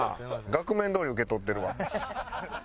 額面どおり受け取ってるわ。